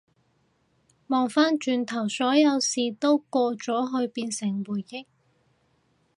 望返轉頭，所有事都過咗去變成回憶